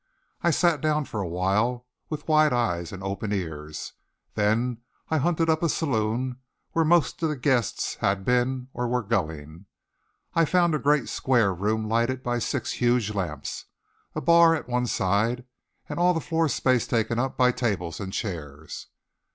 I sat down for a while, with wide eyes and open ears. Then I hunted up a saloon, where most of the guests had been or were going. I found a great square room lighted by six huge lamps, a bar at one side, and all the floor space taken up by tables and chairs.